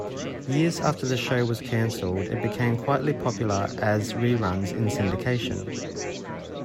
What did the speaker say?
Years after the show was cancelled, it became quietly popular as reruns in syndication.